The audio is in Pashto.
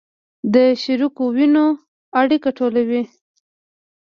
د شریکو وینو اړیکې ټولې